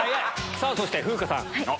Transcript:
さぁそして風花さん。